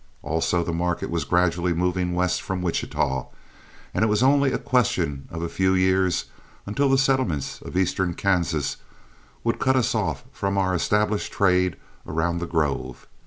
Also the market was gradually moving west from Wichita, and it was only a question of a few years until the settlements of eastern Kansas would cut us off from our established trade around The Grove.